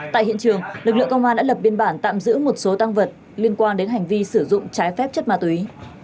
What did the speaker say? tại hiện trường lực lượng công an đã lập biên bản tạm giữ một số tăng vật liên quan đến hành vi sử dụng trái phép chất ma túy